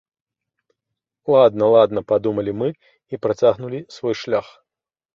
Ладна-ладна, падумалі мы, і працягнулі свой шлях.